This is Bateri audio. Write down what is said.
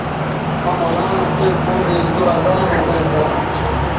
مہ مونا نو پیئں پونے تُو ازانو پیئں پونو